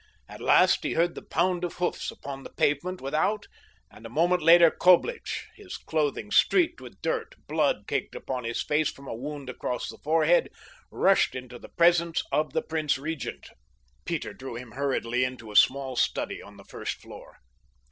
At last he heard the pound of hoofs upon the pavement without and a moment later Coblich, his clothing streaked with dirt, blood caked upon his face from a wound across the forehead, rushed into the presence of the prince regent. Peter drew him hurriedly into a small study on the first floor.